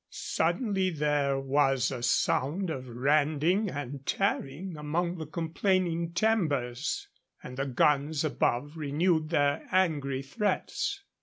Suddenly there was a sound of rending and tearing among the complaining timbers, and the guns above renewed their angry threats.